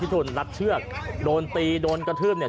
ทุนรัดเชือกโดนตีโดนกระทืบเนี่ย